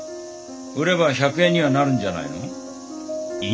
売れば１００円にはなるんじゃないの？